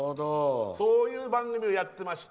そういう番組をやってまして。